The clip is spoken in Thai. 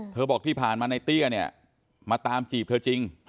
บอกที่ผ่านมาในเตี้ยเนี่ยมาตามจีบเธอจริง